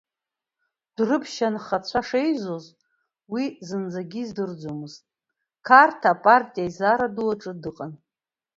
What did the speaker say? Дәрыԥшь анхацәа шеизоз уи зынӡагьы издырӡомызт, Қарҭ Апартиа Аизара ду аҿы дыҟан.